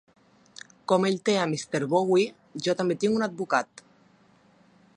Com ell té a Mr Moguy, jo també tinc un advocat.